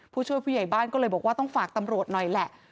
ผู้ช่วยผู้ใหญ่บ้านก็เลยบอกว่าต้องฝากตำรวจหน่อยแหละ